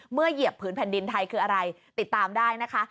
เหยียบผืนแผ่นดินไทยคืออะไรติดตามได้นะคะ